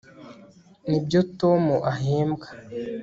nibyo tom ahembwa